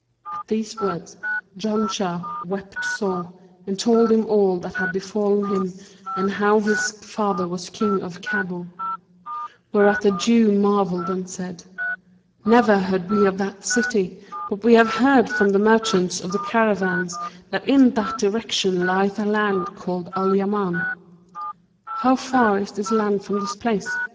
At these words Janshah wept sore and told him all that had befallen him and how his father was King of Kabul; whereat the Jew marvelled and said, 'Never heard we of that city, but we have heard from the merchants of the caravans that in that direction lieth a land called Al Yaman.' 'How far is that land from this place?'